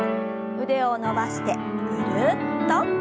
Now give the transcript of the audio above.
腕を伸ばしてぐるっと。